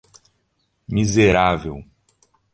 Miserável